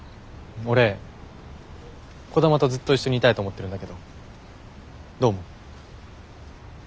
俺兒玉とずっと一緒にいたいと思ってるんだけどどう思う？